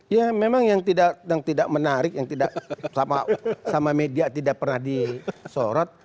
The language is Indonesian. ya memang yang tidak menarik yang tidak sama media tidak pernah disorot